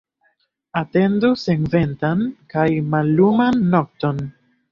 Atendu senventan kaj malluman nokton.